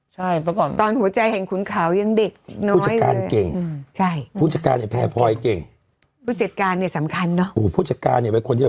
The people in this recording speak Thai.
ใช่ตอนผู้ใจแห่งฟุ้นขาวยังเด็กพูชการเก่งใช่พูชการเนี่ยแพพย์เก่งพูชการเนี่ยสำคัญเนอะ